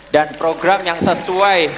dan program yang sesuai